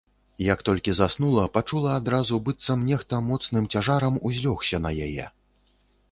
Як толькі заснула, пачула адразу, быццам нехта моцным цяжарам узлёгся на яе.